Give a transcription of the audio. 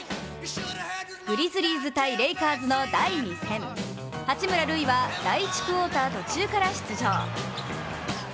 グリズリーズ×レイカーズの第２戦、八村塁は第１クオーター途中から出場。